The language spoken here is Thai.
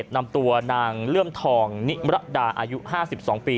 นำตัวนางเลื่อมทองนิมรดาอายุ๕๒ปี